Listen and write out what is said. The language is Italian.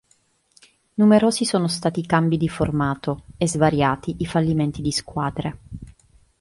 Numerosi sono stati i cambi di formato, e svariati i fallimenti di squadre.